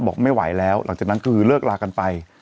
บอกไม่ไหวแล้วหลังจากนั้นคือเลิกลากันไป